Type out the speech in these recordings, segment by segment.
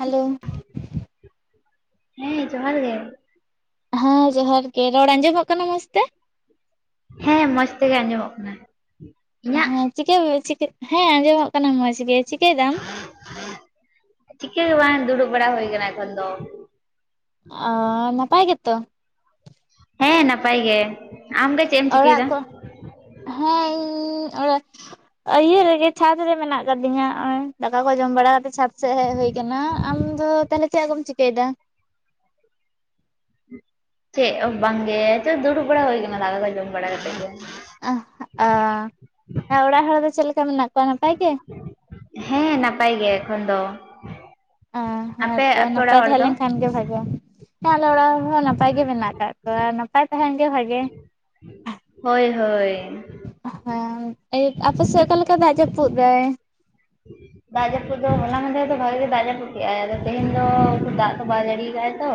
Hello ᱦᱮᱸ ᱡᱚᱦᱟᱨ ᱜᱮ᱾ ᱦᱮᱸ ᱡᱚᱦᱟᱨ ᱜᱮ, ᱨᱚᱲ ᱟᱸᱡᱚᱢᱚᱜ ᱠᱟᱱᱟ ᱢᱚᱸᱡᱽᱛᱮ? ᱦᱮᱸ ᱢᱚᱸᱡᱽ ᱛᱮᱜᱮ ᱟᱸᱡᱚᱢᱚᱜ ᱠᱟᱱᱟ᱾ ᱤᱧᱟᱹᱜ? ᱦᱮᱸ ᱪᱤᱠᱟᱹ, ᱪᱤᱠᱟᱹ ᱦᱮᱸ ᱟᱸᱡᱚᱢᱚᱜ ᱠᱟᱱᱟ ᱢᱚᱸᱡᱽ ᱜᱮ᱾ ᱪᱤᱠᱟᱹᱭᱮᱫᱟ? [unintelligible] ᱪᱤᱠᱟᱹ ᱜᱮ ᱵᱟᱝ ᱫᱩᱲᱩᱵ ᱵᱟᱲᱟ ᱦᱩᱭ ᱠᱟᱱᱟ ᱮᱠᱷᱚᱱ ᱫᱚ᱾ ᱚ ᱱᱟᱯᱟᱭ ᱜᱮᱛᱚ? ᱦᱮᱸ ᱱᱟᱯᱟᱭ ᱜᱮ, ᱟᱢ ᱜᱮ? ᱚᱲᱟᱜ ᱠᱚ, ᱦᱮᱸ ᱤᱧ ᱚᱲᱟᱜ ᱟᱭᱭᱤᱭᱟᱹ ᱨᱮᱜᱮ ᱪᱷᱟᱸᱫᱽ ᱨᱮ ᱢᱮᱱᱟᱜ ᱠᱟᱫᱤᱧᱟ ᱾ ᱱᱚᱜᱚᱭ ᱫᱟᱠᱟ ᱠᱚ ᱡᱚᱢ ᱵᱟᱲᱟ ᱠᱟᱛᱮᱜ ᱪᱷᱟᱸᱫᱽ ᱥᱮᱮᱫ ᱦᱩᱭ ᱠᱟᱱᱟ᱾ ᱟᱢ ᱫᱚ ᱛᱟᱦᱚᱞᱮ ᱪᱮᱫ ᱠᱚᱚᱢ ᱪᱤᱠᱟᱹᱭᱮᱫᱟ? ᱪᱮᱫ ᱦᱚᱸ ᱵᱟᱝᱜᱮ ᱪᱮᱫ ᱫᱩᱲᱩᱵ ᱵᱟᱲᱟ ᱦᱩᱭ ᱠᱟᱱᱟ ᱾ ᱫᱟᱠᱟ ᱠᱚ ᱡᱚᱢ ᱵᱟᱲᱟ ᱠᱟᱛᱮ ᱜᱮ᱾ ᱚᱦ ᱚᱸ ᱚᱲᱟᱜ ᱦᱚᱲ ᱫᱚ ᱪᱮᱫ ᱞᱮᱠᱟ ᱢᱮᱱᱟᱜ ᱠᱚᱣᱟ᱾ ᱱᱟᱯᱟᱭ ᱜᱮ? ᱦᱮᱸ ᱱᱟᱯᱟᱭ ᱜᱮ, ᱮᱠᱷᱚᱱ ᱫᱚ? ᱟᱯᱮ ᱦᱮᱸᱛᱚ ᱟᱯᱮ ᱚᱲᱟᱜ ᱱᱟᱯᱟᱭ ᱦᱚᱲ ᱛᱟᱦᱮᱸ ᱫᱚ ᱞᱮᱱ ᱠᱷᱟᱱ ᱜᱮ ᱵᱷᱟᱜᱮᱼᱟ ᱾ ᱦᱮᱸ ᱟᱞᱮ ᱚᱲᱟᱜ ᱨᱮᱦᱚᱸ ᱱᱟᱯᱟᱭ ᱜᱮ ᱢᱮᱱᱟᱜ ᱠᱟᱜ ᱠᱚᱣᱟ ᱾ ᱱᱟᱯᱟᱭ ᱛᱟᱦᱮᱱ ᱜᱮ ᱵᱷᱟᱜᱮᱭᱟ ᱾ ᱦᱳᱭ, ᱦᱳᱭ᱾ ᱦᱮᱸ ᱟᱯᱮ ᱥᱮᱫ ᱚᱠᱟᱞᱮᱠᱟ ᱫᱟᱜ ᱡᱟᱹᱯᱩᱫ ᱮᱫᱟᱭ ᱾ ᱫᱟᱡᱟᱯᱩᱫ ᱫᱚᱸ ᱦᱚᱞᱟ ᱥᱮᱫ ᱠᱷᱚᱱ ᱜᱮ ᱵᱷᱟᱜᱮ ᱫᱟᱡᱟᱯᱩᱫᱟ-ᱭ᱾ ᱮᱫᱟᱭ ᱟᱫᱚ ᱛᱮᱦᱮᱧ ᱫᱚᱸ ᱫᱟᱜ ᱫᱚ ᱵᱟᱭ ᱡᱟᱹᱲᱤ ᱼᱭᱟ᱾ ᱟᱠᱟ ᱫᱟ ᱛᱚ᱾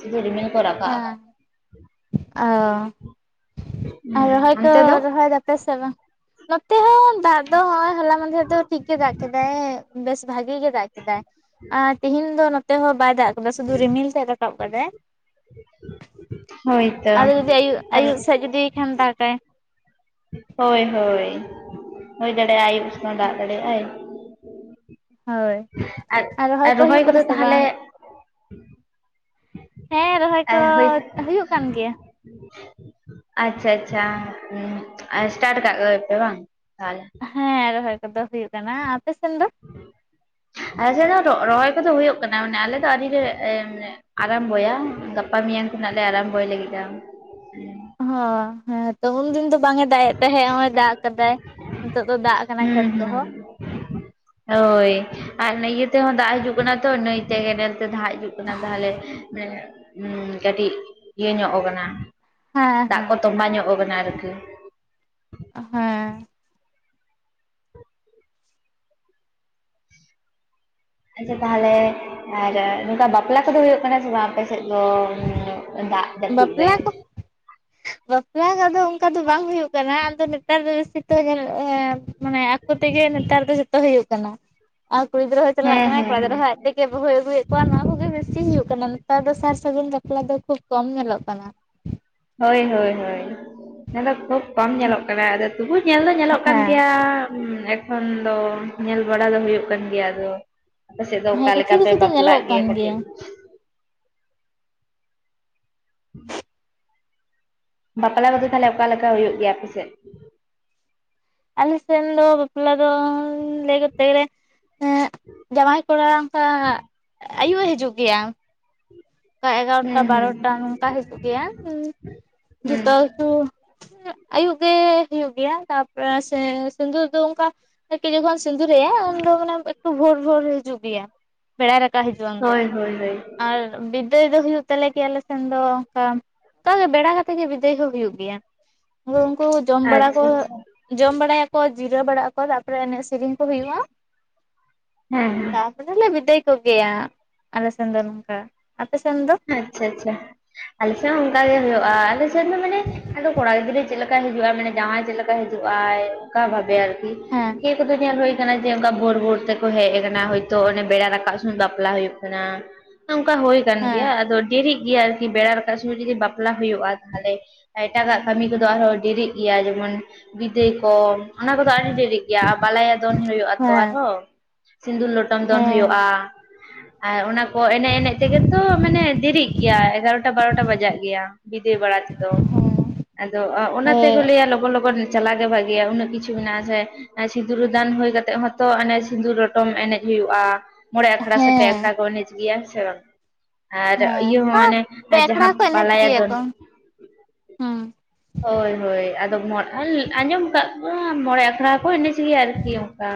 ᱥᱩᱫᱷᱩ ᱨᱤᱢᱤᱞ ᱠᱚ ᱨᱟᱠᱟᱵ ᱦᱮᱸ ᱟᱠᱟᱫ ᱚᱸ᱾ ᱟᱨ ᱦᱩᱸ ᱨᱚᱦᱚᱭ ᱠᱚ ᱚᱱᱛᱮ ᱫᱚ ᱨᱚᱦᱚᱭ ᱫᱟᱯᱮ ᱥᱮ ᱵᱟᱝ? ᱱᱚᱛᱮ ᱦᱚᱸ ᱫᱟᱜ ᱫᱚ ᱱᱚᱳᱸᱭ, ᱦᱚᱞᱟ ᱢᱟᱸᱫᱷᱮᱨ ᱫᱚ ᱴᱷᱤᱠ ᱜᱮ ᱫᱟᱜ ᱠᱮᱫᱟᱭ᱾ ᱵᱮᱥ ᱵᱷᱽᱟᱜᱤ ᱜᱮ ᱫᱟᱜ ᱠᱮᱫᱟᱭ ᱾ ᱟᱨ ᱛᱤᱦᱤᱧ ᱫᱚ ᱱᱚᱛᱮ ᱦᱚᱸ ᱵᱟᱭ ᱫᱟᱜ ᱠᱟᱫᱟ᱾ ᱥᱩᱫᱷᱩ ᱨᱤᱢᱤᱞ ᱥᱮᱫ ᱨᱟᱠᱟᱵ ᱠᱟᱫᱟᱭ ᱾ [inaudible] ᱦᱳᱭᱛᱚ ᱟᱫᱚ ᱡᱩᱫᱤ ᱟᱭᱩᱵ, ᱟᱨ ᱟᱭᱩᱵ ᱥᱮᱫ ᱡᱩᱫᱤ ᱠᱷᱟᱱᱮ ᱫᱟᱜᱟᱭ᱾ ᱦᱳᱭ, ᱦᱳᱭ ᱦᱩᱭᱳᱭ ᱫᱟᱲᱮᱭᱟ-ᱜ ᱟᱭ᱾ ᱟᱭᱩᱵ ᱥᱮᱫ ᱫᱟᱜ ᱫᱟᱲᱮᱭᱟᱜᱼᱟᱭ ᱾ ᱦᱳᱭ ᱟᱨ ᱟᱨ ᱠᱚ ᱦᱩᱭᱩᱜ ᱨᱚᱦᱚᱭ ᱠᱟᱱᱟ ᱠᱚᱼᱫᱚ ᱥᱮ ᱛᱟᱦᱚᱞᱮ᱾ ᱵᱟᱝ? ᱦᱮᱸ ᱨᱚᱦᱚᱭ ᱠᱚ ᱮᱸ ᱦᱳᱭ ᱦᱩᱭᱩᱜ ᱠᱟᱱ ᱜᱮᱭᱟ᱾ ᱟᱪᱪᱷᱟ - ᱟᱪᱪᱷᱟ ᱟᱥᱴᱟᱴ ᱠᱟᱜ ᱜᱮᱯᱮ ᱵᱟᱝ? ᱛᱟᱦᱞᱮ ᱦᱮᱸ ᱨᱚᱦᱚᱭ ᱠᱚᱼᱫᱚ ᱦᱩᱭᱩᱜ ᱠᱟᱱᱟ᱾ ᱟᱯᱮᱥᱱ ᱫᱚ᱾ ᱟᱞᱮ ᱥᱮᱫ ᱫᱚ ᱨᱚᱦᱚᱭ ᱠᱚᱼᱫᱚ ᱦᱩᱭᱩᱜ ᱠᱟᱱᱟ᱾ ᱢᱟᱱᱮ ᱟᱞᱮ ᱫᱚ ᱟᱹᱩᱰᱤᱜᱮ ᱟᱨᱟᱢᱵᱚᱭᱼᱟ᱾ ᱜᱟᱯᱟ ᱢᱮᱭᱟᱝ ᱛᱮᱱᱟᱜ ᱞᱮ ᱟᱨᱟᱢᱵᱚᱭ᱾ ᱞᱟᱹᱜᱤᱫᱼᱟ᱾ ᱦᱚᱭ ᱦᱮᱸ ᱛᱚ ᱩᱱᱫᱤᱱ ᱫᱚ ᱵᱟᱝ ᱮ ᱫᱟᱜ ᱮ ᱛᱟᱦᱮᱸᱜ ᱱᱚ-ᱚᱳ᱾ ᱫᱟᱜ ᱟᱠᱟᱫᱟᱭ ᱱᱤᱛᱚᱜ ᱫᱚ ᱫᱟᱜ ᱠᱟᱱᱟ ᱠᱷᱮᱛ ᱦᱩᱸ ᱦᱩᱸ ᱠᱚᱦᱚᱸ ᱾ ᱦᱳᱭ ᱟᱨ ᱱᱟ. ᱭᱟᱹ ᱛᱮᱦᱚᱸ ᱫᱟᱜ ᱦᱤᱡᱩᱼᱜ ᱠᱟᱱᱟ ᱾ᱛᱚ ᱱᱟᱹᱭᱛᱮ ᱨᱮᱦᱚᱸ ᱫᱟᱜ ᱦᱤᱡᱩᱜ ᱠᱟᱱᱟ᱾ ᱛᱟᱦᱚᱞᱮ ᱠᱟᱹᱴᱤᱡ ᱤᱭᱟᱹ ᱧᱚᱜ ᱟᱠᱟᱱᱟ ᱦᱮᱸ ᱾ ᱫᱟᱜ ᱦᱮᱸ ᱠᱚ ᱛᱚᱢᱵᱟ ᱧᱚᱜ ᱟᱠᱟᱱᱟ᱾ ᱟᱨᱠᱤ ᱦᱮᱸ ᱟᱪᱪᱮ ᱛᱟᱦᱚᱞᱮ ᱟᱨ ᱱᱚᱝᱠᱟ ᱵᱟᱯᱞᱟ ᱠᱚᱼᱫᱚ ᱦᱩᱭᱩᱜ ᱠᱟᱱᱟ ᱾ᱥᱮ ᱵᱟᱝ ᱟᱯᱮ ᱥᱮᱫ ᱫᱚ ᱾ᱫᱟᱜ ᱡᱟᱹᱯᱩᱫ ᱨᱮ? ᱵᱟᱯᱞᱟ ᱠᱚ ᱵᱟᱯᱞᱟ ᱠᱚᱫᱚ ᱚᱱᱠᱟ ᱫᱚ ᱵᱟᱝ ᱦᱩᱭᱩᱜ ᱠᱟᱱᱟ, ᱟᱫᱚ ᱱᱮᱛᱟᱨ ᱫᱚ ᱵᱮᱥᱤ ᱛᱚ ᱧᱮᱞᱚᱜ ᱮᱸ ᱢᱟᱱᱮ ᱟᱠᱚ ᱛᱮᱜᱮ ᱱᱮᱛᱟᱨ ᱫᱚ ᱡᱚᱛᱚ ᱦᱩᱭᱩᱜ ᱠᱟᱱᱟ, ᱟᱨ ᱠᱩᱲᱤ ᱜᱤᱫᱽᱨᱟᱹ ᱦᱚᱸᱭ ᱪᱟᱞᱟᱜ ᱦᱮᱸ ᱦᱮᱸ ᱠᱟᱱᱟᱭ ᱠᱚᱲᱟ ᱜᱤᱫᱽᱨᱟᱹ ᱦᱮᱸ ᱦᱚᱸ ᱟᱡ ᱟᱡ ᱛᱮᱜᱮ ᱵᱟᱦᱩᱭ ᱟᱹᱜᱩᱭᱮᱫ ᱠᱚᱣᱟ ᱱᱚᱣᱟ ᱠᱚᱜᱮ ᱵᱮᱥᱤ ᱦᱩᱭᱩᱜ ᱠᱟᱱᱟ, ᱱᱮᱛᱟᱨ ᱫᱚ ᱥᱟᱨ ᱥᱟᱹᱜᱩᱱ ᱵᱟᱯᱞᱟ ᱫᱚ ᱠᱷᱩᱵ ᱠᱚᱢ ᱧᱮᱞᱚᱜ ᱠᱟᱱᱟ ᱾ ᱦᱳᱭ ᱦᱳᱭ ᱦᱳᱭ, ᱚᱱᱟ ᱫᱚ ᱠᱷᱩᱵ ᱠᱚᱢ ᱧᱮᱞᱚᱜ ᱠᱟᱱᱟ, ᱟᱫᱚ ᱛᱚᱵᱩ ᱧᱮᱞ ᱫᱚ ᱧᱮᱞᱚᱜ ᱠᱟᱱ ᱦᱮᱸ ᱜᱮᱭᱟ ᱾ ᱦᱮ ᱮᱠᱷᱚᱱ ᱫᱚ ᱧᱮᱞ ᱵᱟᱲᱟ ᱫᱚ ᱦᱩᱭᱩᱜ ᱠᱟᱱ ᱜᱮᱭᱟ ᱟᱫᱚ᱾ ᱟᱯᱮ ᱥᱮᱫ ᱫᱚ ᱦᱮᱸ ᱚᱠᱟ ᱠᱤᱪᱷᱩ ᱞᱮᱠᱟ ᱯᱮ ᱠᱤᱪᱷᱩ ᱫᱚ ᱵᱟᱯᱞᱟᱜ ᱧᱮᱞᱚᱜ ᱠᱟᱱ ᱜᱮᱭᱟ ᱠᱟᱹᱴᱤᱡ ᱵᱟᱯᱞᱟ ᱠᱚᱫᱚ ᱛᱟᱦᱚᱞᱮ ᱚᱠᱟ ᱞᱮᱠᱟ ᱦᱩᱭᱩᱜ ᱜᱮᱭᱟ ᱟᱯᱮ ᱥᱮᱫ? ᱟᱞᱮ ᱥᱮᱱ ᱫᱚ ᱵᱟᱯᱞᱟ ᱫᱚ [unintelligible] ᱛᱮᱜᱮ ᱮᱸ ᱡᱟᱶᱟᱭ ᱠᱚᱲᱟ ᱚᱱᱠᱟ ᱟᱭᱩᱵ ᱮ ᱦᱤᱡᱩᱜ ᱜᱮᱭᱟ ᱾ ᱚᱱᱠᱟ ᱮᱜᱟᱨᱚᱴᱟ ᱦᱩᱸ ᱦᱩᱸ ᱵᱟᱨᱚᱴᱟ ᱱᱚᱝᱠᱟ ᱦᱤᱡᱩᱜ ᱜᱮᱭᱟ ᱦᱩᱸ᱾ ᱦᱩᱸ ᱡᱚᱛᱚ ᱠᱤᱪᱷᱩ ᱟᱭᱩᱵ ᱜᱮ ᱦᱩᱭᱩᱜ ᱜᱮᱭᱟ, ᱛᱟᱯ ᱮ ᱥᱮ ᱥᱤᱸᱫᱩᱨ ᱫᱚ ᱚᱱᱠᱟ ᱱᱟᱭᱠᱮ ᱡᱚᱠᱷᱚᱱ ᱥᱤᱸᱫᱩᱨ ᱮᱜᱟᱭ ᱩᱱ ᱫᱚ ᱢᱟᱱᱮ ᱵᱷᱳᱨ ᱵᱷᱳᱨ ᱦᱤᱡᱩᱜ ᱜᱮᱭᱟ, ᱵᱮᱲᱟ ᱨᱟᱠᱟᱵ ᱦᱤᱡᱩᱜ-ᱟ ᱩᱱ ᱫᱚ ᱦᱳᱭ ᱦᱳᱭ ᱦᱳᱭ ᱟᱨ ᱵᱤᱫᱟᱹᱭ ᱫᱚ ᱦᱩᱭᱩᱜ ᱛᱟᱞᱮ ᱜᱮᱭᱟ ᱟᱞᱮ ᱥᱮᱱ ᱫᱚ ᱚᱱᱠᱟ, ᱚᱱᱠᱟ ᱜᱮ ᱵᱮᱲᱟ ᱠᱟᱛᱮ ᱜᱮ ᱵᱤᱫᱟᱹᱭ ᱦᱚᱸ ᱦᱩᱭᱩᱜ ᱜᱮᱭᱟ ᱾ ᱫᱚ ᱩᱱᱠᱩ ᱡᱚᱢ ᱵᱟᱲᱟ ᱭᱟᱠᱚ ᱟᱪᱪᱷᱟ ᱟᱪᱪᱷᱟ ᱡᱚᱢ ᱵᱟᱲᱟᱭᱟᱠᱚ ᱡᱤᱨᱟᱹ ᱮ ᱵᱟᱲᱟᱜ ᱟᱠᱚ ᱛᱟᱯᱚᱨᱮ ᱮᱱᱮᱡ ᱥᱮᱨᱮᱧ ᱦᱩᱭᱩᱜᱼᱟ ᱦᱮᱸ ᱦᱮᱸ [inaudible] ᱟᱫᱚᱞᱮ ᱵᱤᱫᱟᱹᱭ ᱠᱚᱜᱮᱭᱟ ᱟᱞᱮ ᱥᱮᱱ ᱫᱚ ᱱᱚᱝᱠᱟ, ᱟᱯᱮ ᱥᱮᱱ ᱫᱚ? ᱟᱪᱪᱷᱟ ᱟᱪᱪᱷᱟ ᱟᱞᱮᱥᱮᱫ ᱦᱚᱸ ᱚᱱᱠᱟ ᱜᱮ ᱦᱩᱭᱩᱜ-ᱟ, ᱟᱞᱮ ᱥᱮᱫ ᱫᱚ ᱢᱟᱱᱮ ᱟᱫᱚ ᱠᱚᱲᱟ ᱜᱤᱫᱽᱨᱟᱹ ᱪᱮᱫ ᱞᱮᱠᱟᱭ ᱦᱤᱡᱩᱜᱼᱟ ᱢᱟᱱᱮ ᱡᱟᱶᱟᱭ ᱪᱮᱫ ᱞᱮᱠᱟᱭ ᱦᱤᱡᱩᱜ ᱟᱭ ᱚᱱᱠᱟ ᱵᱷᱟᱵᱮ ᱦᱮᱸ ᱤᱭᱟᱹ ᱠᱚᱫᱚ ᱧᱮᱞ ᱦᱩᱭ ᱡᱮ ᱚᱱᱠᱟ ᱵᱷᱳᱨ ᱵᱷᱳᱨ ᱛᱮᱠᱚ ᱦᱮᱡ ᱟᱠᱟᱱᱟ ᱦᱚᱭᱛᱳ ᱚᱱᱮ ᱵᱮᱲᱟ ᱨᱟᱠᱟᱵ ᱥᱚᱢᱚᱭ ᱵᱟᱯᱞᱟ ᱦᱩᱭᱩᱜ ᱠᱟᱱᱟ ᱾ ᱚᱱᱠᱟ ᱦᱩᱭ ᱟᱠᱟᱱ ᱜᱮᱭᱟ ᱦᱮᱸ ᱟᱫᱚ ᱰᱮᱨᱤᱜ ᱜᱮᱭᱟ ᱟᱨᱠᱤ ᱵᱮᱲᱟ ᱨᱟᱠᱟᱵ ᱥᱚᱢᱚᱭ ᱡᱩᱫᱤ ᱵᱟᱯᱞᱟ ᱦᱩᱭᱩᱜᱼᱟ, ᱛᱟᱦᱚᱞᱮ ᱮᱴᱟᱜᱟᱜ ᱠᱟᱹᱢᱤ ᱠᱚᱫᱚ ᱟᱨᱦᱚᱸ ᱰᱮᱨᱤᱜ ᱜᱮᱭᱟ ᱡᱮᱢᱚᱱ ᱵᱤᱫᱟᱹᱭ ᱠᱚ᱾ ᱚᱱᱟ ᱠᱚᱫᱚ ᱟᱹᱰᱤ ᱵᱮᱨᱤᱜ ᱜᱮᱭᱟ, ᱵᱟᱞᱟᱭᱟ ᱫᱚᱱ ᱦᱳᱭᱳᱜ ᱟᱛᱚ ᱦᱮᱸ ᱟᱨᱦᱚᱸ᱾ ᱥᱤᱸᱫᱩᱨ ᱞᱚᱴᱚᱢ ᱫᱚᱱ ᱦᱮᱸ ᱦᱳᱭᱳᱜ-ᱟ ᱟᱨ ᱚᱱᱟ ᱠᱚ ᱮᱱᱮᱡ ᱮᱱᱮᱡ ᱛᱮᱜᱮ ᱛᱚ ᱢᱟᱱᱮ ᱰᱮᱨᱤᱜ ᱜᱮᱭᱟ ᱮᱜᱟᱨᱳᱴᱟ ᱵᱟᱨᱳᱴᱟ ᱵᱟᱡᱟᱜ ᱜᱮᱭᱟ᱾ ᱵᱤᱫᱟᱹᱭ ᱵᱟᱲᱟ ᱛᱮᱫᱚ, ᱟᱫᱚ ᱚᱱᱟ ᱛᱮᱠᱚ ᱦᱮᱸ ᱞᱟ. ᱭᱟ ᱞᱚᱜᱚᱱ ᱞᱚᱜᱚᱱ ᱪᱟᱞᱟᱜ ᱜᱮ ᱵᱷᱟᱜᱮᱭᱟ ᱩᱱᱟᱹᱜ ᱠᱤᱪᱷᱩ ᱢᱮᱱᱟᱜᱼᱟ ᱥᱮ ᱥᱤᱸᱫᱽᱨᱟ. ᱫᱟᱱ ᱦᱳᱭ ᱠᱟᱛᱮᱜ ᱦᱚᱸᱛᱚ ᱚᱱᱮ ᱥᱤᱸᱫᱩᱨ ᱞᱚᱴᱚᱢ ᱮᱱᱮᱡ ᱦᱩᱭᱩᱜᱼᱟ᱾ ᱢᱚᱲᱮ ᱦᱮᱸ ᱟᱠᱷᱲᱟ ᱥᱮ ᱯᱮ ᱦᱮᱸ ᱟᱠᱷᱲᱟ ᱠᱚ ᱮᱱᱮᱡᱽ ᱜᱮᱭᱟ ᱥᱮ ᱵᱟᱝ᱾ ᱟᱨ ᱦᱮᱸ ᱤᱭᱟᱹ ᱦᱚᱸ ᱟᱨ ᱢᱟᱱᱮ ᱯᱮ ᱟᱠᱷᱲᱟ ᱡᱟᱸᱦᱟᱸ ᱠᱚ ᱮᱱᱮᱡ ᱵᱟᱞᱟᱭᱟ ᱜᱮᱭᱟ ᱫᱚᱱ ᱠᱚ ᱦᱩᱸ ᱦᱳᱭ ᱦᱳᱭ ᱟᱫᱚ ᱟᱸᱡᱚᱢ ᱠᱟᱜ ᱠᱚᱣᱟ ᱢᱚᱬᱮ ᱟᱠᱷᱲᱟ ᱠᱚ ᱮᱱᱮᱡ ᱜᱮᱭᱟ ᱟᱨᱠᱤ ᱚᱱᱠᱟ᱾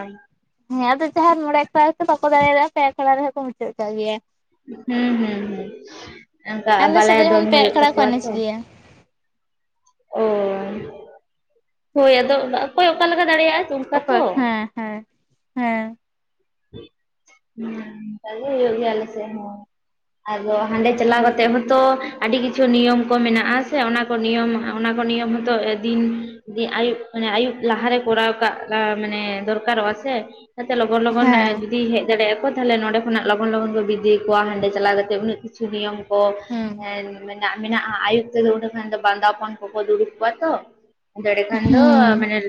ᱦᱮᱸ ᱟᱫᱚ ᱡᱟᱸᱦᱟᱸᱭ ᱢᱚᱲᱮ ᱟᱠᱷᱲᱟ ᱵᱟᱠᱚ ᱫᱟᱲᱮᱭᱟᱫᱟ ᱯᱮ ᱟᱠᱷᱲᱟ ᱨᱮᱦᱚᱸ ᱠᱚ ᱢᱩᱪᱟᱹᱜ ᱠᱟᱜ ᱜᱮᱭᱟ᱾ ᱦᱩᱸ ᱦᱩᱸ [inaudible] ᱟᱞᱮ ᱥᱮᱫ ᱫᱚ ᱵᱟᱞᱟᱭᱟ ᱫᱚᱱ ᱡᱮᱢᱚᱱ ᱯᱮ ᱦᱳᱭᱳᱜ ᱟᱠᱷᱲᱟ ᱠᱚ ᱛᱟᱠᱚᱣᱟ ᱾ ᱮᱱᱮᱡ ᱜᱮᱭᱟ ᱚ, ᱦᱳᱭ ᱟᱫᱚ ᱚᱠᱚᱭ ᱚᱠᱟ ᱞᱮᱠᱟ ᱫᱟᱲᱮᱭᱟᱜᱼᱟ᱾ ᱛᱩᱢᱠᱟ ᱛᱚ ᱚᱠᱚᱭ ᱦᱮᱸ ᱦᱮᱸ ᱦᱮᱸ ᱩᱱᱠᱟ ᱜᱮ ᱦᱩᱭᱩᱜ ᱜᱮᱭᱟ ᱟᱞᱮ ᱥᱮᱜ ᱦᱚᱸ᱾ ᱟᱡᱽ ᱵᱟᱵᱟ ᱦᱟᱸᱱᱰᱮ ᱪᱟᱞᱟᱣ ᱠᱟᱛᱮᱜ ᱦᱚᱸᱛᱚ ᱟᱹᱰᱤ ᱠᱤᱪᱷᱩ ᱱᱤᱭᱚᱢ ᱠᱚ ᱢᱮᱱᱟᱜᱼᱟ ᱥᱮ ᱚᱱᱟᱠᱚ ᱱᱤᱭᱚᱢ ᱚᱱᱟᱠᱚ ᱱᱤᱭᱚᱢ ᱦᱚᱛᱚ ᱫᱤᱱ ᱡᱤ ᱟᱭᱩᱵ ᱟᱭᱩᱵ ᱞᱟᱦᱟᱨᱮ ᱠᱚᱨᱟᱣ ᱠᱟᱜ ᱠᱟ ᱢᱟᱱᱮ ᱫᱚᱨᱠᱟᱨᱚᱜᱼᱟ ᱥᱮ ᱚᱱᱟᱛᱮ ᱞᱚᱜᱚᱱ ᱞᱚᱜᱚᱱ ᱦᱮᱸ ᱡᱩᱫᱤ ᱦᱮᱡᱽ ᱫᱟᱲᱮ ᱟᱠᱚ ᱛᱟᱦᱚᱞᱮ ᱱᱚᱰᱮ ᱠᱷᱚᱱᱟᱜ ᱞᱚᱜᱚᱱ ᱞᱚᱜᱚᱱ ᱠᱚ ᱵᱤᱫᱟᱹᱭ ᱠᱚᱣᱟ ᱦᱟᱸᱱᱰᱮ ᱪᱟᱞᱟᱣ ᱠᱟᱛᱮ ᱩᱱᱟᱹᱜ ᱠᱤᱪᱷᱩ ᱱᱤᱭᱚᱢ ᱠᱚ ᱦᱮᱸ ᱢᱮᱱᱟᱜᱼᱟ ᱟᱭᱩᱵ ᱛᱮᱫᱚ ᱩᱱᱟᱹᱜ ᱜᱟᱱ ᱫᱚᱵᱟᱝ ᱵᱟᱸᱫᱟᱯᱚᱱ ᱠᱚᱠᱚ ᱫᱩᱲᱩᱵ ᱠᱚᱣᱟ ᱛᱚ᱾ [unintelligible] ᱠᱷᱟᱱ ᱫᱚ ᱦᱩᱸ ᱢᱟᱱᱮ ᱦᱮᱸ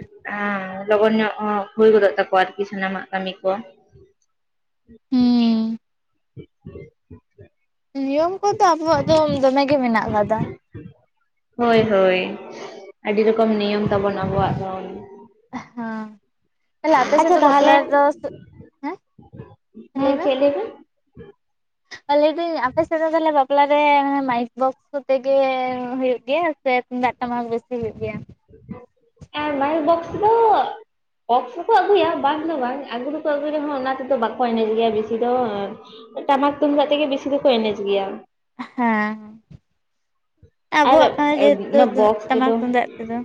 ᱞᱚᱜᱚᱱ ᱧᱚᱜ ᱦᱳᱭ ᱜᱚᱫᱚᱜ ᱛᱟᱠᱚᱣᱟ ᱟᱨᱠᱤ ᱥᱟᱱᱟᱢᱟᱜ ᱠᱟᱹᱢᱤ ᱠᱚ ᱾ [inaudible] ᱱᱤᱭᱚᱢ ᱠᱚᱫᱚ ᱟᱵᱚᱣᱟᱜ ᱫᱚ ᱫᱚᱢᱮ ᱜᱮ ᱢᱮᱱᱟᱜ ᱟᱠᱟᱫᱟ ᱾ ᱦᱳᱭ, ᱦᱳᱭ ᱟᱹᱰᱤ ᱨᱚᱠᱚᱢ ᱱᱤᱭᱚᱢ ᱛᱟᱵᱚᱱ ᱟᱵᱚᱣᱟᱜ ᱫᱚ ᱾ ᱦᱮᱸ ᱛᱟᱦᱚᱞᱮ ᱟᱯᱮ ᱥᱮᱫ ᱫᱚ ᱵᱟᱯᱞᱟ ᱛᱟᱦᱚᱞᱮ ᱨᱮᱫᱚ ᱦᱮᱸ ᱞᱟᱹᱭ ᱢᱮ ᱾ [inaudible] ᱞᱟᱹᱭ ᱫᱤᱧ ᱟᱯᱮ ᱥᱮᱫ ᱨᱮᱫᱚ ᱞᱮ ᱵᱟᱯ ᱞᱟ ᱨᱮ ᱢᱟᱭᱤᱠ ᱵᱚᱠᱥ ᱠᱚᱛᱮ ᱜᱮ ᱦᱳᱭᱳᱜ ᱜᱮᱭᱟ ᱥᱮ ᱛᱩᱢᱫᱟᱜ ᱴᱟᱢᱟᱠ ᱵᱮᱥᱤ ᱦᱩᱭᱩᱜ ᱜᱮᱭᱟ? ᱟᱨ ᱢᱟᱭᱤᱠ ᱵᱚᱠᱥ ᱫᱚ ᱵᱚᱠᱥ ᱦᱚᱸᱠᱚ ᱟᱹᱜᱩᱭᱟ ᱵᱟᱝ ᱫᱚ ᱵᱟᱝ ᱟᱹᱜᱩ ᱫᱚᱠᱚ ᱟᱹᱜᱩᱭ ᱨᱮᱸᱦᱚᱸ ᱚᱱᱟ ᱛᱮᱫᱚ ᱵᱟᱠᱚ ᱮᱱᱮᱡ ᱜᱮᱭᱟ ᱵᱮᱥᱤ ᱫᱚ ᱾ ᱴᱟᱢᱟᱠ ᱛᱩᱢᱫᱟᱜ ᱛᱮᱜᱮ ᱵᱮᱥᱤ ᱫᱚᱠᱚ ᱮᱱᱮᱡᱽ ᱜᱮᱭᱟ᱾ ᱦᱮᱸ ᱟᱨ ᱟᱵᱚᱣᱟᱜ ᱠᱟᱱᱟ, ᱡᱮᱦᱮᱛᱩ ᱚᱱᱟ ᱵᱚᱠᱥ ᱴᱟᱢᱟᱠ ᱛᱮᱫᱚ ᱛᱩᱢᱫᱟᱜ ᱛᱮᱫᱚ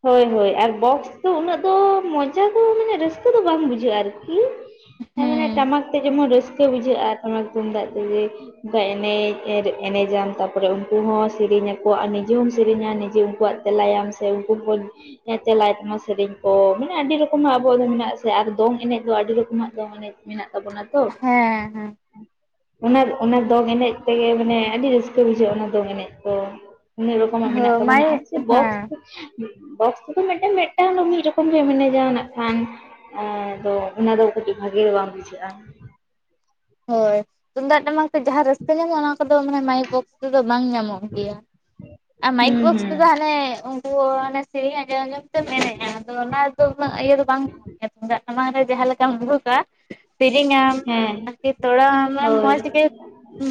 ᱦᱳᱭ, ᱦᱳᱭ ᱟᱨ ᱵᱚᱠᱥ ᱫᱚ ᱩᱱᱟᱹᱜ ᱫᱚ ᱢᱚᱡᱟ ᱫᱚ ᱢᱟᱱᱮ ᱨᱟᱹᱥᱠᱟᱹ ᱫᱚ ᱵᱟᱝ ᱵᱩᱡᱷᱟᱹᱜᱼᱟ ᱟᱨᱠᱤ ᱢᱟᱱᱮ ᱦᱩᱸ ᱴᱟᱢᱟᱠ ᱛᱮ ᱡᱮᱢᱚᱱ ᱨᱟᱹᱥ ᱠᱟᱹ ᱜᱮ ᱵᱩᱡᱷᱟᱹᱜᱼᱟ, ᱴᱟᱢᱟᱠ ᱛᱩᱢᱫᱟᱜ ᱛᱮᱜᱮ ᱮᱱᱮᱡᱽ, ᱮᱱᱮᱡᱟᱢ ᱛᱟᱨᱯᱚᱨᱮ ᱩᱱᱠᱩ ᱦᱚᱸ ᱥᱮᱨᱮᱧᱟᱚ ᱟᱨ ᱱᱤᱡᱮ ᱦᱚᱸᱢ ᱥᱮᱨᱮᱧᱟ ᱱᱤᱡᱮ ᱩᱱᱠᱩᱣᱟᱜ ᱛᱮᱞᱟᱭᱟᱢ ᱥᱮᱜ ᱩᱱᱠᱩ ᱦᱚᱸᱠᱚ ᱦᱮᱸ ᱛᱮᱞᱟᱭ ᱛᱟᱢᱟ ᱥᱮᱨᱮᱧ ᱠᱚ ᱢᱟᱱᱮ ᱟᱹᱰᱤ ᱨᱚᱠᱚᱢᱟᱜ ᱟᱵᱚᱣᱟᱜ ᱫᱚ ᱢᱮᱱᱟᱜᱼᱟ ᱥᱮ ᱟᱨ ᱫᱚᱝ ᱮᱱᱮᱡᱽ ᱫᱚ ᱟᱹᱰᱤ ᱨᱚᱠᱚᱢᱟᱜ ᱫᱚᱝ ᱮᱱᱮᱡᱽ ᱢᱮᱱᱟᱜ ᱛᱟᱵᱚᱱᱟ ᱛᱚ᱾ ᱦᱮᱸ ᱦᱮᱸ ᱚᱱᱟ, ᱚᱱᱟ ᱫᱚᱝ ᱮᱱᱮᱡ ᱛᱮᱜᱮ ᱢᱟᱱᱮ ᱟᱹᱰᱤ ᱨᱟᱹᱥᱠᱟᱹ ᱵᱩᱡᱷᱟᱹᱜᱼᱟ, ᱚᱱᱟ ᱫᱚᱝ ᱮᱱᱮᱡᱽ ᱠᱚ ᱾ ᱟ. ᱰᱤ ᱨᱚᱠᱚᱢᱟᱜ ᱦᱳᱭ ᱢᱮᱱᱟᱜ ᱛᱟᱵᱚᱱᱟ ᱢᱟᱭ ᱟᱨ ᱥᱮ ᱵᱚᱠᱥ ᱦᱮᱸ ᱵᱚᱠᱥ ᱫᱚ ᱢᱤᱫᱴᱟᱝ, ᱢᱤᱫᱴᱟᱝ ᱢᱤᱫ ᱨᱚᱠᱚᱢ ᱜᱮᱢ ᱮᱱᱮᱡᱟ ᱱᱟᱜ ᱠᱷᱟᱱ ᱦᱮᱸ ᱫᱚ ᱚᱱᱟ ᱫᱚ ᱠᱟᱹᱴᱤᱡ ᱵᱷᱟᱜᱮ ᱜᱮ ᱵᱟᱝ ᱵᱩᱡᱷᱟᱹᱜᱼᱟ ᱾ ᱦᱳᱭ ᱛᱩᱢᱫᱟᱜ ᱴᱟᱢᱟᱠ ᱛᱮ ᱡᱟᱸᱦᱟᱸ ᱨᱟᱹᱥᱠᱟᱹ ᱧᱟᱢᱚᱜ ᱢᱟᱭᱤᱠ ᱵᱚᱠᱥ ᱛᱮᱫᱚ ᱵᱟᱝ ᱧᱟᱢᱚᱜ ᱜᱮᱭᱟ, ᱟᱨ ᱦᱩᱸ ᱢᱟᱭᱤᱠ ᱵᱚᱠᱥ ᱛᱮ ᱦᱩᱸ ᱦᱟᱱᱮ ᱩᱱᱠᱩ ᱦᱟᱱᱮ ᱥᱮᱨᱮᱧ ᱟᱸᱡᱚᱢ, ᱟᱸᱡᱚᱢ ᱯᱮ ᱮᱱᱮᱡᱼᱟ ᱟᱫᱚ ᱚᱱᱟ ᱫᱚ ᱩᱱᱟᱹᱜ ᱤᱭᱟᱹ ᱫᱚ ᱵᱟᱝ ᱛᱩᱢᱫᱟᱜ ᱥᱟᱢᱟᱝ ᱨᱮ ᱡᱟᱸᱦᱟᱸ ᱞᱮᱠᱟᱢ ᱞᱩᱦᱩᱜᱟ ᱥᱮᱨᱮᱧᱟᱢ ᱦᱮᱸ ᱛᱚᱲᱟᱣᱟᱜ ᱢᱮ ᱦᱳᱭ ᱢᱚᱸᱡᱽ ᱜᱮ,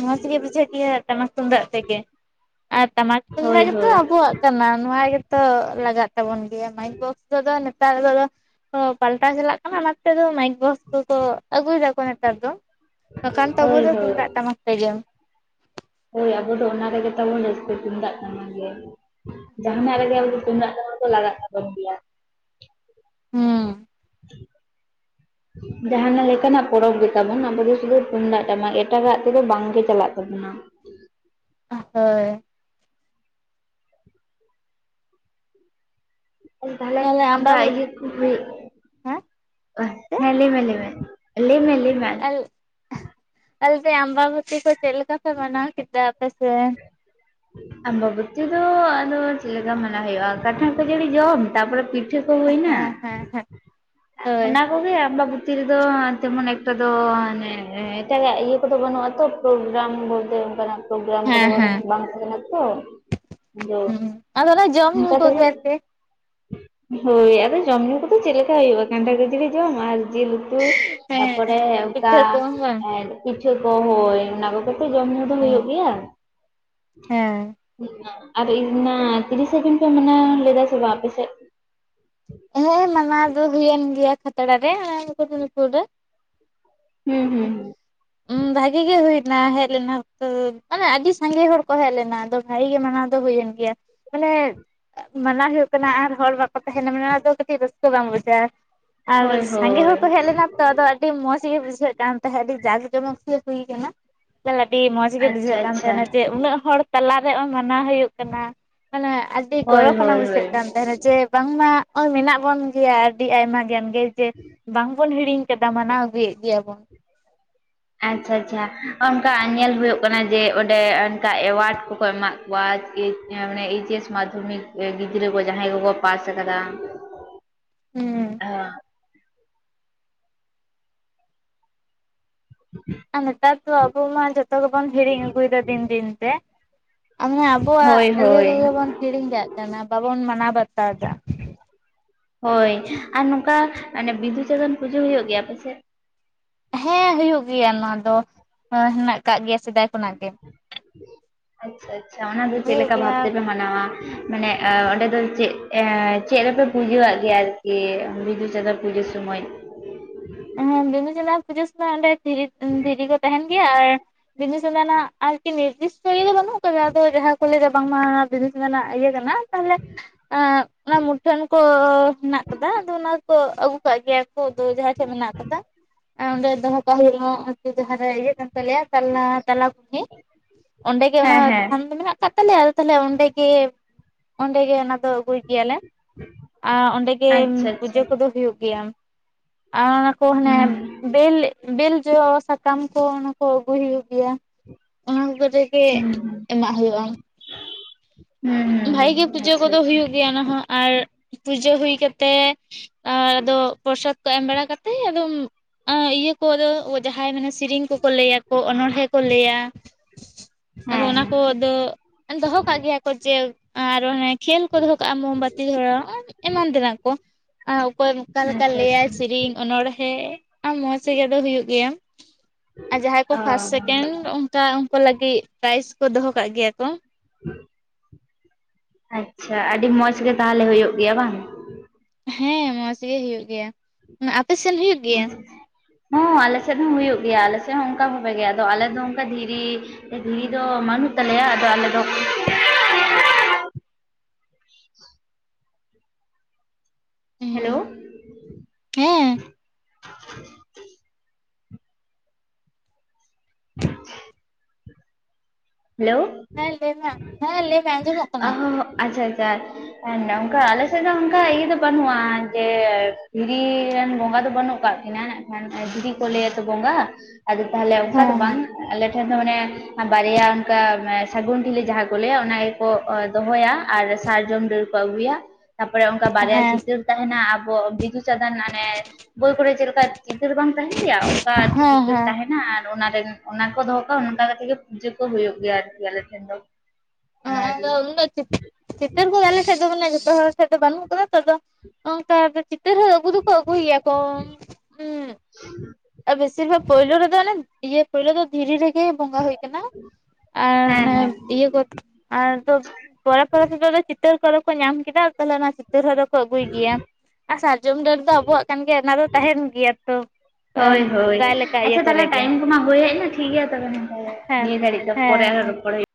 ᱢᱚᱸᱡᱽ ᱜᱮ ᱵᱩᱡᱷᱟᱹᱜ ᱜᱮ ᱴᱟᱢᱟᱠ ᱛᱩᱢᱫᱟᱜ ᱛᱮᱜᱮ ᱾ ᱟᱨ ᱴᱟᱢᱟᱠ ᱦᱳᱭ ᱛᱩᱢᱫᱟᱜ ᱜᱮᱛᱚ ᱦᱳᱭ ᱟᱵᱚᱣᱟᱜ ᱠᱟᱱᱟ ᱱᱚᱣᱟ ᱜᱮᱛᱚ ᱞᱟᱜᱟᱜ ᱛᱟᱵᱚᱱ ᱜᱮᱭᱟ, ᱢᱟᱭᱤᱠ ᱵᱚᱠᱥ ᱛᱮᱫᱚ ᱱᱮᱛᱟᱨ ᱫᱚ ᱯᱟᱞᱴᱟᱣ ᱪᱟᱞᱟᱜ ᱠᱟᱱᱟ ᱚᱱᱟᱛᱮ ᱫᱚ ᱢᱟᱭᱤᱠ ᱵᱚᱠᱥ ᱠᱚᱠᱚ ᱟᱹᱜᱩᱭ ᱫᱟᱠᱚ ᱱᱮᱛᱟᱨ ᱫᱚ ᱾ ᱵᱟᱠᱷᱟᱱ ᱛᱟᱵᱚ ᱦᱳᱭ ᱫᱚ ᱦᱳᱭ ᱛᱩᱢᱫᱟᱜ ᱴᱟᱢᱟᱠ ᱛᱮᱜᱮᱢ ᱾ ᱦᱳᱭ ᱟᱵᱚ ᱫᱚ ᱚᱱᱟ ᱨᱮᱜᱮ ᱛᱟᱵᱚᱱ ᱨᱟᱹᱥᱠᱟᱹ ᱛᱩᱢᱫᱟᱜ ᱴᱟᱢᱟᱜ ᱜᱮ ᱾ ᱡᱟᱦᱟᱱᱟᱜ ᱨᱮᱜᱮ ᱟᱵᱚ ᱫᱚ ᱛᱩᱢᱫᱟᱜ ᱴᱟᱢᱟᱠ ᱫᱚ ᱞᱟᱜᱟᱜ ᱛᱟᱵᱚᱱ ᱜᱮᱭᱟᱢ ᱾ ᱦᱩᱸ ᱾ [inaudible] ᱡᱟᱦᱟᱸ ᱞᱮᱠᱟᱱᱟᱜ ᱯᱚᱨᱚᱵᱽ ᱜᱮ ᱛᱟᱵᱚᱱ ᱟᱵᱚ ᱫᱚ ᱥᱩᱫᱷᱩ ᱛᱩᱢᱫᱟᱜ ᱴᱟᱢᱟᱠ ᱮᱴᱟᱜᱟᱜ ᱛᱮᱫᱚ ᱵᱟᱝ ᱜᱮ ᱪᱟᱞᱟᱜ ᱛᱟᱵᱚᱱᱟ᱾ ᱾ ᱦᱳᱭ ᱾ ᱛᱟᱦᱚᱞᱮ ᱛᱟᱦᱞᱮ ᱚᱱᱠᱟ ᱟᱢᱵᱟᱵᱚᱛᱤ ᱤᱭᱟᱹ ᱦᱳᱭ᱾ ᱦᱮᱸ ᱪᱮᱫ ᱦᱮᱸ ᱞᱟᱹᱭ ᱢᱮ, ᱞᱟᱹᱭ ᱢᱮ, ᱞᱟᱹᱭ ᱢᱮ, ᱞᱟᱹᱭ ᱢᱮ ᱾ [inaudible] ᱟᱢᱵᱟᱵᱩᱛᱤ ᱠᱚ ᱪᱮᱫ ᱞᱮᱠᱟ ᱯᱮ ᱢᱟᱱᱟᱣ ᱠᱮᱫᱟ ᱟᱯᱮ ᱥᱮᱫ? [inaudible] ᱟᱢᱵᱟᱵᱩᱛᱤ ᱫᱚ ᱟᱫᱚ ᱪᱮᱫ ᱞᱮᱠᱟ ᱢᱟᱱᱟᱣ ᱦᱩᱭᱩᱜᱼᱟ, ᱠᱟᱱᱴᱷᱟᱲ ᱠᱷᱟᱹᱡᱟᱹᱲᱤ ᱡᱚᱢ ᱛᱟᱯᱚᱨᱮ ᱯᱤᱴᱷᱟᱹ ᱠᱚ ᱦᱩᱭᱱᱟ ᱾ ᱦᱮᱸ ᱦᱮᱸ ᱦᱮᱸ ᱦᱳᱭ ᱚᱱᱟ ᱠᱚᱜᱮ ᱟᱢᱵᱟᱵᱩᱛᱤ ᱨᱮᱫᱚ ᱛᱮᱢᱚᱱ ᱮᱠᱴᱟ ᱫᱚ, ᱚᱱᱮ ᱮᱴᱟᱜᱟᱜ ᱤᱭᱟᱹ ᱠᱚᱫᱚ ᱵᱟᱹᱱᱩᱜᱼᱟ ᱛᱚ ᱾ ᱯᱨᱳᱜᱨᱟᱢ ᱵᱚᱞᱛᱮ ᱚᱱᱠᱟᱱᱟᱜ ᱯᱨᱳᱜᱨᱟᱢ ᱠᱚᱫᱚ ᱦᱮᱸ ᱡᱟᱱᱤᱡ ᱦᱮᱸ ᱵᱟᱝ ᱛᱟᱦᱮᱸ ᱠᱟᱱᱟ ᱛᱚ᱾ ᱟᱫᱚ ᱦᱩᱸ ᱟᱫᱚ ᱚᱱᱟ ᱡᱚᱢ ᱧᱩ ᱚᱝᱠᱟ ᱛᱮᱜᱮ᱾ ᱠᱚᱜᱮ ᱟᱨᱠᱤ ᱦᱳᱭ ᱟᱫᱚ ᱡᱚᱢ ᱧᱩ ᱠᱚᱫᱚ ᱪᱮᱫ ᱞᱮᱠᱟ ᱦᱩᱭᱩᱜᱼᱟ ᱠᱟᱱᱴᱷᱟᱲ ᱠᱷᱟᱹᱡᱟᱹᱲᱤ ᱡᱚᱢ ᱟᱨ ᱡᱤᱞ ᱩᱛᱩ᱾ ᱦᱮᱸ ᱛᱟᱯᱚᱨᱮ ᱚᱱᱠᱟ ᱯᱤᱴᱷᱟᱹ ᱠᱚ ᱵᱟᱝ ᱯᱤᱴᱷᱟᱹ ᱠᱚ ᱦᱳᱭ ᱚᱱᱟ ᱠᱚᱜᱮ᱾ ᱛᱚ ᱡᱚᱢ ᱧᱩ ᱫᱚ ᱦᱩᱭᱩᱜ ᱦᱮᱸ ᱜᱮᱭᱟ᱾ ᱦᱮᱸ ᱟᱨ ᱤᱧ ᱢᱟ ᱛᱤᱨᱤᱥᱟ ᱡᱩᱱ ᱯᱮ ᱢᱟᱱᱟᱣ ᱞᱮᱫᱟ ᱥᱮ ᱵᱟᱝ ᱟᱯᱮ ᱥᱮᱫ? ᱦᱮᱸ ᱢᱟᱱᱟᱣ ᱫᱚ ᱦᱩᱭᱮᱱ ᱜᱮᱭᱟ ᱠᱷᱟᱛᱲᱟ ᱨᱮ ᱟᱨ ᱢᱩᱠᱩᱴᱢᱩᱱᱤᱯᱩᱨ ᱨᱮ᱾ ᱦᱩᱸ ᱦᱩᱸ ᱦᱩᱸ᱾ ᱩᱸ ᱵᱷᱟᱜᱮ ᱜᱮ ᱦᱩᱭᱱᱟ ᱦᱮᱡ ᱞᱮᱱᱟ ᱠᱚ, ᱢᱟᱱᱮ ᱟᱹᱰᱤ ᱥᱟᱸᱜᱮ ᱦᱚᱲ ᱠᱚ ᱦᱮᱡ ᱞᱮᱱᱟ ᱟᱫᱚ ᱵᱷᱟᱜᱮ ᱜᱮ ᱢᱟᱱᱟᱣ ᱫᱚ ᱦᱩᱭᱮᱱ ᱜᱮᱭᱟ ᱢᱟᱱᱮ ᱢᱟᱱᱟᱣ ᱦᱩᱭᱩᱜ ᱠᱟᱱᱟ ᱟᱨ ᱦᱚᱲ ᱵᱟᱠᱚ ᱛᱟᱦᱮᱱᱟ ᱢᱟᱱᱮ ᱚᱱᱟ ᱫᱚ ᱠᱟᱹᱴᱤᱡ ᱨᱟᱹᱥᱠᱟᱹ ᱵᱟᱝ ᱵᱩᱡᱷᱟᱹᱜ-ᱟ᱾ ᱟᱨ ᱦᱳᱭ ᱥᱟᱸᱜᱮ ᱦᱳᱭ ᱦᱚᱲ ᱠᱚ ᱦᱮᱡ ᱞᱮᱱᱟ ᱛᱚ ᱟᱫᱚ ᱟᱹᱰᱤ ᱢᱚᱸᱡᱽ ᱜᱮ ᱵᱩᱡᱷᱟᱹᱜ ᱠᱟᱱ ᱛᱟᱦᱮᱸᱜ ᱟᱹᱰᱤ ᱡᱟᱠ ᱡᱚᱢᱚᱠ ᱜᱮ ᱦᱩᱭ ᱠᱟᱱᱟ᱾ ᱛᱟᱦᱞᱮ ᱟᱹᱰᱤ ᱢᱚᱸᱡᱽ ᱜᱮ ᱟᱪᱪᱷᱟ ᱵᱩᱡᱷᱟᱹᱜ ᱠᱟᱱ ᱟᱪᱪᱷᱟ ᱛᱟᱦᱮᱱᱟ ᱡᱮ ᱩᱱᱟᱹᱜ ᱦᱚᱲ᱾ ᱛᱟᱞᱟᱨᱮ ᱚᱭ ᱢᱟᱱᱟᱣ ᱦᱩᱭᱩᱜ ᱠᱟᱱᱟ ᱢᱟᱱᱮ ᱟᱹᱰᱤ ᱦᱳᱭ ᱜᱚᱨᱚᱵᱽ ᱟᱱᱟ ᱦᱳᱭ ᱵᱩᱡᱷᱟᱹᱜ ᱦᱳᱭ ᱠᱟᱱ ᱛᱟᱦᱮᱱᱟ᱾ ᱡᱮ ᱵᱟᱝᱢᱟ ᱦᱚᱸᱜ-ᱚᱭ ᱢᱮᱱᱟᱜ ᱵᱚᱱ ᱜᱮᱭᱟ ᱟᱹᱰᱤ ᱟᱭᱢᱟ ᱜᱟᱱ ᱜᱮ ᱡᱮ ᱵᱟᱝᱵᱚᱱ ᱦᱤᱲᱤᱧ ᱠᱮᱫᱟ ᱢᱟᱱᱟᱣ ᱟᱹᱜᱩᱭᱮᱫ ᱜᱮᱭᱟ ᱵᱚᱱ᱾ ᱟᱪᱪᱷᱟ ᱟᱪᱪᱷᱟ ᱚᱱᱠᱟ ᱧᱮᱞ ᱦᱩᱭᱩᱜ ᱠᱟᱱᱟ ᱡᱮ ᱚᱸᱰᱮ ᱚᱱᱠᱟ ᱮᱣᱟᱨᱰ ᱠᱚᱠᱚ ᱮᱢᱟᱜ ᱠᱚᱣᱟ ᱮᱪ ᱢᱟᱱᱮ ᱮᱭᱤᱪ ᱮᱥ ᱢᱟᱫᱽᱫᱷᱚᱢᱤᱠ ᱜᱤᱫᱽᱨᱟᱹ ᱠᱚ ᱡᱟᱦᱟᱸᱭ ᱠᱚᱠᱚ ᱯᱟᱥ ᱟᱠᱟᱫᱟ᱾ ᱦᱩᱸ᱾ [inaudible] ᱟᱨ ᱱᱮᱛᱟᱨ ᱫᱚ ᱟᱵᱚ ᱢᱟ ᱡᱚᱛᱚ ᱜᱮᱵᱚᱱ ᱦᱤᱲᱤᱧ ᱟᱹᱜᱩᱭᱮᱫᱟ ᱫᱤᱱ ᱫᱤᱱ ᱛᱮ, [unintelligible] ᱟᱵᱚᱣᱟᱜ ᱦᱳᱭ ᱤᱭᱟᱹ ᱦᱳᱭ ᱠᱚᱜᱮ ᱵᱚᱱ ᱦᱤᱲᱤᱧ ᱠᱟᱜ ᱠᱟᱱᱟ ᱵᱟᱵᱚᱱ ᱢᱟᱱᱟᱣ ᱵᱟᱛᱟᱣ ᱮᱫᱟ᱾ ᱦᱳᱭ ᱟᱨ ᱱᱚᱝᱠᱟ ᱚᱱᱮ ᱵᱤᱫᱩ-ᱪᱟᱸᱫᱟᱱ ᱯᱩᱡᱟᱹ ᱦᱩᱭᱩᱜ ᱜᱮᱭᱟ ᱟᱯᱮ ᱥᱮᱫ? ᱦᱮᱸ ᱦᱩᱭᱩᱜ ᱜᱮᱭᱟ ᱱᱚᱣᱟ ᱫᱚ, ᱦᱳᱭ ᱦᱮᱱᱟᱜ ᱠᱟᱜ ᱜᱮᱭᱟ ᱥᱮᱫᱟᱭ ᱠᱷᱚᱱᱟᱜ ᱜᱮ᱾ ᱟᱪᱪᱷᱟ ᱟᱪᱪᱷᱟ ᱚᱱᱟ ᱫᱚ ᱪᱮᱫ ᱦᱩᱭᱩᱜ ᱞᱮᱠᱟ ᱜᱮᱭᱟ ᱵᱷᱟᱵᱽ ᱛᱮᱯᱮ ᱢᱟᱱᱟᱣᱟ? ᱢᱟᱱᱮ ᱮ ᱚᱸᱰᱮ ᱫᱚ ᱪᱮᱫ ᱮᱸ ᱪᱮᱫ ᱨᱮᱯᱮ ᱯᱩᱡᱟᱹᱣᱟᱜ ᱜᱮᱭᱟ ᱟᱨᱠᱤ ᱵᱤᱫᱩ-ᱪᱟᱸᱫᱟ ᱯᱩᱡᱟᱹ ᱥᱩᱢᱟᱹᱭ? ᱦᱮᱸ ᱵᱤᱫᱩ-ᱪᱟᱸᱫᱟᱱ ᱯᱩᱡᱟᱹ ᱥᱩᱢᱟᱹᱭ ᱚᱸᱰᱮ ᱫᱷᱤᱨᱤ ᱫᱷᱤᱨᱤ ᱠᱚ ᱛᱟᱦᱮᱱ ᱜᱮᱭᱟ ᱟᱨ ᱵᱤᱫᱩ-ᱪᱟᱸᱫᱟᱱᱟᱜ ᱟᱨᱠᱤ ᱱᱤᱨᱫᱤᱥᱴᱚ ᱤᱭᱟᱹ ᱫᱚ ᱵᱟᱹᱱᱩᱜ ᱟᱠᱟᱫᱟ, ᱟᱫᱚ ᱡᱟᱦᱟᱸ ᱠᱚ ᱞᱟᱹᱭᱫᱟ ᱵᱟᱝᱢᱟ ᱵᱤᱫᱩ ᱪᱟᱸᱫᱟᱱᱟᱜ ᱤᱭᱟᱹ ᱠᱟᱱᱟ ᱛᱟᱦᱚᱞᱮ ᱮᱜ ᱚᱱᱟ ᱢᱩᱴᱷᱟᱹᱱ ᱠᱚ ᱦᱮᱱᱟᱜ ᱟᱠᱟᱫᱟ ᱟᱫᱚ ᱚᱱᱟ ᱠᱚ ᱟᱹᱜᱩ ᱠᱟᱜ ᱜᱮᱭᱟ ᱠᱚ ᱟᱫᱚ ᱡᱟᱦᱟᱸᱭ ᱴᱷᱮᱡ ᱢᱮᱱᱟᱜ ᱠᱟᱫᱟ, ᱟᱨ ᱚᱸᱰᱮ ᱫᱚᱦᱚ ᱠᱟᱜ ᱦᱩᱭᱩᱜᱼᱟ᱾ ᱡᱟᱦᱟᱸ ᱨᱮ ᱤᱭᱟᱹ ᱠᱟᱱ ᱛᱟᱞᱮᱭᱟ ᱛᱟᱞᱟ ᱛᱟᱞᱟ ᱠᱩᱞᱦᱤ, ᱚᱸᱰᱮ ᱜᱮ ᱦᱮᱸ ᱚᱱᱟ ᱦᱮᱸ ᱛᱷᱟᱱ ᱫᱚ ᱢᱮᱱᱟᱜ ᱠᱟᱜ ᱛᱟᱞᱮᱭᱟ ᱟᱫᱚ ᱛᱟᱞᱦᱮ ᱚᱸᱰᱮ ᱜᱮ, ᱚᱸᱰᱮ ᱜᱮ ᱚᱱᱟ ᱫᱚ ᱟᱹᱜᱩᱭ ᱜᱮᱭᱟᱞᱮ ᱟᱨ ᱚᱸᱰᱮ ᱜᱮ ᱟᱪᱪᱷᱟ ᱟᱪᱪᱷᱟ ᱯᱩᱡᱟᱹ ᱠᱚᱫᱚ ᱦᱩᱭᱩᱜ ᱜᱮᱭᱟ᱾ ᱟᱨ ᱚᱱᱟ ᱠᱚ ᱦᱟᱱᱮ ᱦᱩᱸ ᱵᱮᱞ ᱵᱮᱞ ᱡᱚ ᱥᱟᱠᱟᱢ ᱠᱚ ᱚᱱᱟ ᱠᱚ ᱟᱹᱜᱩᱭ ᱦᱩᱭᱩᱜ ᱜᱮᱭᱟ᱾ ᱚᱱᱟ ᱠᱚ ᱠᱚᱛᱮ ᱜᱮ ᱮᱢᱟᱜ ᱦᱩᱭᱩᱜᱼᱟ᱾ ᱦᱩᱸ ᱦᱩᱸ ᱦᱩᱸ ᱵᱷᱟᱜᱤ ᱜᱮ ᱯᱩᱡᱟᱹ ᱟᱪᱪᱷᱟ ᱟᱪᱪᱷᱟ᱾ [unintelligible] ᱚᱱᱟ ᱦᱚᱸ ᱟᱨ ᱯᱩᱡᱟᱹ ᱦᱩᱭ ᱠᱟᱛᱮ ᱟᱨ ᱟᱫᱚ ᱯᱨᱚᱥᱟᱫ ᱠᱚ ᱮᱢ ᱵᱟᱲᱟ ᱠᱟᱛᱮᱜ ᱟᱫᱚᱢ ᱤᱭᱟᱹ ᱠᱚ ᱫᱚ ᱡᱟᱦᱟᱸᱭ ᱢᱟᱱᱮ ᱥᱤᱨᱤᱧ ᱠᱚᱠᱚ ᱞᱟᱹᱭᱟᱠᱚ ᱚᱱᱚᱬᱦᱮᱸᱫ ᱠᱚ ᱞᱟᱹᱭᱟ ᱟᱫᱚ ᱦᱮᱸ ᱚᱱᱟ ᱠᱚ ᱦᱮᱸ ᱫᱚ ᱮ ᱫᱚᱦᱚ ᱠᱟᱜ ᱜᱮᱭᱟ ᱠᱚ ᱡᱮ ᱟᱨ ᱚᱱᱮ ᱠᱷᱮᱞ ᱠᱚ ᱫᱚᱦᱚ ᱠᱟᱜᱼᱟ ᱢᱳᱢᱵᱟᱹᱛᱤ ᱫᱷᱚᱨᱟᱣ ᱟᱨ ᱮᱢᱟᱱ ᱛᱮᱱᱟᱜ ᱠᱚ᱾ ᱟᱨ ᱚᱠᱚᱭ ᱚᱠᱟ ᱞᱮᱠᱟ ᱟᱪᱪᱷᱟ ᱞᱟᱹᱭᱟᱭ ᱟᱪᱪᱷᱟ ᱥᱤᱨᱤᱧ ᱚᱱᱚᱬᱦᱮᱸᱫ ᱟ ᱢᱚᱸᱡᱽ ᱜᱮ ᱟᱫᱚ ᱦᱩᱭᱩᱜ ᱜᱮᱭᱟ᱾ ᱟᱨ ᱡᱟᱦᱟᱸᱭ ᱠᱚ ᱯᱷᱟᱥᱴ ᱥᱮᱠᱮᱱᱰ ᱚ ᱚᱱᱠᱟ ᱩᱱᱠᱩ ᱞᱟᱹᱜᱤᱫ ᱯᱨᱟᱭᱤᱡᱽ ᱠᱚ ᱫᱚᱦᱚ ᱠᱟᱜ ᱜᱮᱭᱟ ᱠᱚ᱾ [inaudible] ᱟᱪᱪᱷᱟ ᱟᱹᱰᱤ ᱢᱚᱸᱡᱷᱽ ᱜᱮᱤ ᱛᱟᱦᱚᱞᱮ ᱦᱩᱭᱩᱼᱜ ᱜᱮᱭᱟ ᱵᱟᱝ? ᱦᱮᱸ ᱢᱚᱸᱡᱽᱜᱤ ᱦᱩᱭᱩᱜ ᱜᱮᱭᱟ᱾ ᱟᱯᱮᱮᱥᱮᱱ ᱦᱩᱭᱩᱜ ᱜᱮᱭᱟ ᱦᱚᱸ ᱟᱞᱮ ᱥᱮᱫ ᱦᱚᱸ ᱦᱩᱭᱩᱼᱜ ᱜᱮᱭᱟ᱾ ᱟᱞᱮᱮᱥᱮᱫ ᱦᱚᱸ ᱚᱱᱠᱟ ᱵᱷᱽᱟᱜᱮ ᱜᱮ, ᱟᱫᱚ ᱟᱞᱮ ᱫᱚ ᱚᱱᱠᱟ ᱫᱷᱤᱨᱤ ᱫᱷᱽᱤᱨᱤ ᱫᱚ ᱵᱟᱹᱱᱩᱜ ᱛᱟᱞᱮᱭᱟ᱾ ᱟᱫᱚ ᱟᱞᱮ ᱫᱚ ᱦᱮᱞᱳ? ᱦᱮᱸ [inaudible] ᱦᱮᱞᱳ? ᱦᱮᱸ ᱞᱟᱟᱹᱭᱢᱮ ᱾ᱦᱮᱸ ᱞᱟᱟᱹᱭᱢᱮ᱿ ᱟᱸᱡᱚᱢᱚᱜ ᱠᱟᱱᱟ᱾ ᱟᱪᱪᱷᱟ, ᱟᱪᱪᱷᱟ ᱦ ᱱᱚᱝᱠᱟ ᱟᱞᱮ ᱥᱮᱫ ᱫᱚ ᱚᱱᱠᱟ ᱤᱭᱟᱹ ᱫᱚ ᱵᱟᱹᱱᱩᱜᱼᱟ᱾ ᱡᱮ ᱫᱷᱽᱤᱨᱤ ᱨᱮᱱ ᱵᱚᱸᱜᱟ ᱫᱚ ᱵᱟᱹᱱᱩᱜ ᱠᱟᱜ ᱮᱱᱟ ᱱᱟᱜ ᱠᱷᱟᱱ ᱫᱷᱽᱤᱨᱤ ᱠᱚ ᱞᱟᱹᱭᱟ ᱛᱚ ᱵᱚᱸᱜᱟ᱾ ᱟᱫᱚ ᱛᱟᱦᱚᱞᱮ ᱚᱱᱠᱟ ᱫᱚ ᱦᱮᱸ ᱦᱮᱸ ᱵᱟᱝ, ᱦᱮᱸ ᱟᱞᱮ ᱴᱷᱮᱱ ᱫᱚ ᱢᱟᱱᱮ ᱵᱟᱨᱭᱟ ᱚᱱᱠᱟ ᱥᱟᱹᱜᱩᱱ ᱰᱷᱽᱤᱞᱤ ᱡᱟᱦᱟᱸ ᱠᱚ ᱞᱟᱹᱭᱟ᱾ ᱚᱱᱟ ᱜᱮᱠᱚ ᱫᱚᱦᱚᱭᱼᱟ᱾ ᱟᱨ ᱥᱟᱨᱡᱚᱢ ᱰᱟᱹᱨ ᱠᱚ ᱟᱹᱜᱩᱭᱟ᱾ ᱛᱟᱯᱚᱨᱮ ᱚᱱᱠᱟ ᱦᱮᱸ ᱵᱟᱨᱭᱟ ᱦᱮᱸ ᱪᱤᱛᱟᱹᱨ ᱛᱟᱦᱮᱱᱟ ᱾ ᱟᱵᱚ ᱵᱤᱫᱩᱼ ᱪᱟᱸᱫᱟᱱ ᱟᱱᱮ ᱵᱳᱭ ᱠᱚᱨᱮ ᱪᱮᱫ ᱞᱮᱠᱟ ᱪᱤᱛᱟᱹᱨ ᱵᱟᱝ ᱛᱟᱦᱮᱱ ᱜᱮᱭᱟ᱾ ᱚᱱᱠᱟ ᱟᱨᱠᱤ ᱪᱤᱛᱟᱹᱨ ᱛᱟᱦᱮᱱᱟ᱾ ᱚᱱᱟᱨᱮ ᱚᱱᱟ ᱠᱚ ᱫᱚᱦᱚᱸ ᱠᱟᱜᱼᱟ᱾ ᱚᱱᱠᱟ ᱠᱟᱛᱮ ᱜᱮ ᱯᱩᱡᱟᱹ ᱠᱚ ᱦᱩᱭᱩᱜ ᱜᱮᱭᱟ᱾ ᱟᱨᱠᱤ ᱟᱞᱮ ᱴᱷᱮᱱ ᱫᱚ ᱚ ᱟᱨ ᱟᱫᱚ ᱪᱤᱛᱟᱹᱨ ᱠᱚ ᱜᱞᱮ ᱥᱮᱫ ᱫᱚ ᱡᱚᱛᱚ ᱦᱚᱲ ᱥᱮᱫ ᱵᱟᱹᱱᱩᱜ ᱛ ᱫᱚ ᱚᱱᱠᱟ ᱪᱤᱛᱟᱹᱨ ᱦᱚᱸ ᱦᱜᱩ ᱫᱚ-ᱠᱚ ᱟᱹᱜᱩᱭᱭᱟ᱾ ᱠᱚ ᱦᱮᱸ ᱦᱮᱸ ᱟᱨ ᱵᱮᱥᱤᱨ ᱵᱷᱟᱜᱽ ᱯᱳᱭᱞᱳ ᱨᱮᱫᱚ, ᱚᱱᱮ ᱤᱭᱟᱹ ᱯᱳᱭᱞᱳ ᱫᱚ ᱫᱷᱽᱤᱨᱤ ᱨᱮᱜᱮ, ᱵᱚᱸᱜᱟ ᱦᱩᱭ ᱟᱠᱟᱱᱟ᱾ ᱟᱨ ᱦᱮᱸ ᱦᱮᱸ ᱤᱭᱟᱹ ᱠᱚ ᱟᱨ ᱯᱚᱨ-ᱯᱚᱨ ᱛᱮᱫᱚ ᱪᱤᱛ ᱠᱚ ᱧᱟᱢ ᱠᱮᱫᱟ᱾ ᱟᱨ ᱛᱟᱦᱮᱸ ᱚᱱᱟ ᱛᱟᱹᱨ ᱫᱚᱠᱚ ᱟᱹᱜᱩᱭ ᱜᱮᱭᱟ᱾ ᱟᱨ ᱥᱟᱨᱡᱚᱢ ᱰᱟᱹᱨ ᱫᱚ, ᱟᱵᱚᱣᱟᱜ ᱠᱟᱱ ᱜᱮᱭᱟ᱾ ᱚᱱᱟ ᱫᱚ ᱛᱟᱦᱮᱱ ᱜᱮᱭᱟ ᱛᱚ᱾ ᱦᱳᱭ, ᱦᱳᱭ ᱯᱨᱟᱭ ᱞᱮᱠᱟ ᱤᱭᱟᱹ ᱟᱪᱪᱷᱟ ᱠᱚᱨᱮ ᱛᱟᱦᱚᱞᱮ ᱜᱮ ᱴᱤᱢ ᱠᱚᱢᱟ ᱦᱩᱭ ᱦᱮᱡ ᱮᱱᱟ ᱾ ᱴᱷᱤᱠ ᱜᱮᱭᱟ ᱛᱚᱵᱮᱮ ᱦᱮᱸ ᱱᱤᱭᱟᱹ ᱫᱷᱷᱟᱟᱹᱨᱤᱡ ᱫᱚ ᱯᱚᱨᱮ ᱟᱨᱦᱚᱚᱲ ᱦᱮᱸ ᱦᱩᱭᱩᱜᱼᱟ᱾